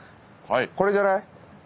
これじゃない？